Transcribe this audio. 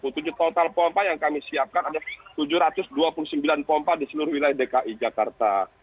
tujuh total pompa yang kami siapkan ada tujuh ratus dua puluh sembilan pompa di seluruh wilayah dki jakarta